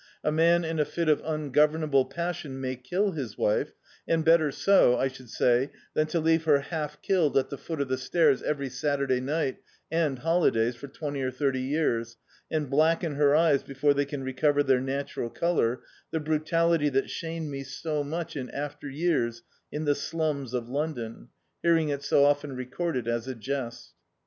A man in a fit of ungovernable passion may kill his wife; and better so, I should say, than to leave her half killed at the foot of the stairs every Saturday ni^t and holidays for twenty or thirty years, and blacken her eyes before they can recover their natural colour, the brutality that shamed me so much in after years in the slums of London, hearing it so often recorded as a jest.